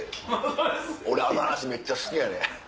俺あの話めっちゃ好きやねん。